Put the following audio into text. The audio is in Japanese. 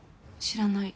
知らない。